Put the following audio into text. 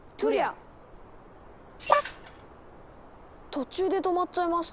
途中で止まっちゃいました。